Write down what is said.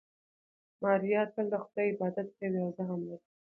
ماریا تل د خدای عبادت کوي او زغم لري.